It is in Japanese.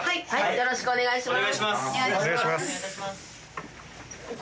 ・よろしくお願いします。